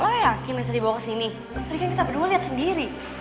lo yakin dia tadi dibawa ke sini tadi kan kita berdua liat sendiri